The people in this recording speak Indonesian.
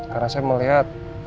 karena saya melihat